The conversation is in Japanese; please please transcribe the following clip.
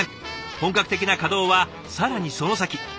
本格的な稼働は更にその先。